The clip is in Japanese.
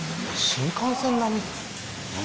新幹線並み。